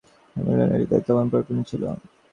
হেমনলিনীর হৃদয় তখন পরিপূর্ণ ছিল।